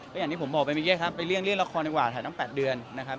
ก็อย่างที่ผมบอกไปเมื่อกี้ครับไปเลี่ยงละครดีกว่าถ่ายตั้ง๘เดือนนะครับ